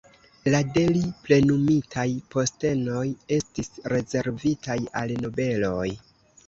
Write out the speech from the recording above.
La de li plenumitaj postenoj estis rezervitaj al nobeloj.